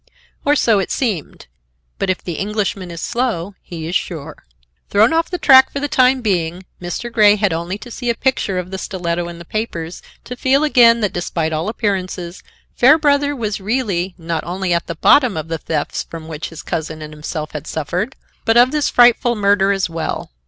Or so it seemed. But if the Englishman is slow, he is sure. Thrown off the track for the time being, Mr. Grey had only to see a picture of the stiletto in the papers, to feel again that, despite all appearances, Fairbrother was really not only at the bottom of the thefts from which his cousin and himself had suffered, but of this frightful murder as well.